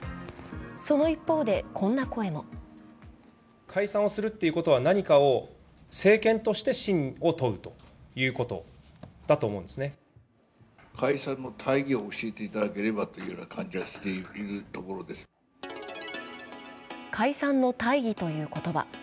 その一方でこんな声も解散の大義という言葉。